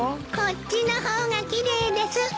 こっちの方が奇麗です。